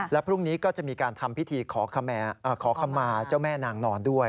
และพรุ่งนี้ก็จะมีการทำพิธีขอขมาเจ้าแม่นางนอนด้วย